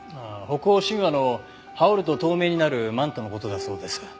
北欧神話の羽織ると透明になるマントの事だそうです。